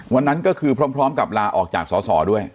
วันนั้นก็คือพร้อมกับลาออกจากสอสอด้วย